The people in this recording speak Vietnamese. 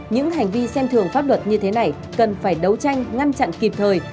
những hành vi xem thường pháp luật như thế này cần phải đấu tranh ngăn chặn kịp thời